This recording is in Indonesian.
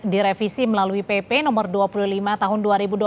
direvisi melalui pp nomor dua puluh lima tahun dua ribu dua puluh